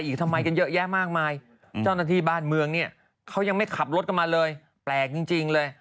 เขายังไม่ขับรถกันมาเลยแปลกจริงเลย